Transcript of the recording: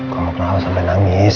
kau mau kenapa sampe nangis